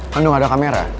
kan udah gak ada kamera